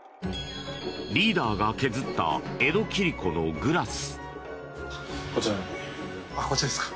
リーダーが削った江戸切子のグラス。